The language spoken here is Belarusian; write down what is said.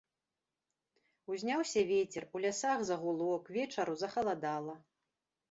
Узняўся вецер, у лясах загуло, к вечару захаладала.